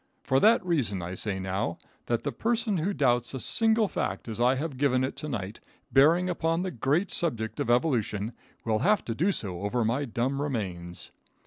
For that reason I say now, that the person who doubts a single fact as I have given it to night, bearing upon the great subject of evolution, will have to do so over my dumb remains.